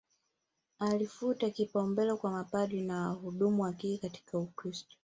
Alifuta kipaumbele kwa mapadri na wahudumu wa kike katika Ukristo